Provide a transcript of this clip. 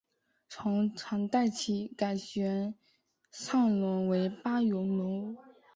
从唐代起改玄畅楼为八咏楼。